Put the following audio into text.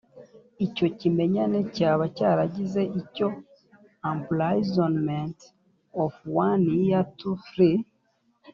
icyo kimenyane cyaba cyaragize icyo imprisonment of one year to three